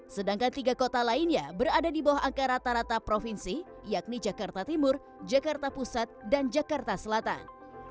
sedangkan tiga kota lainnya berada di bawah angka rata rata provinsi yakni jakarta timur jakarta pusat dan jakarta selatan